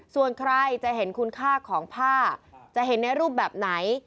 ส่วนใครจะเห็นคุณค่าของผ้าจะเห็นในรูปแบบไหน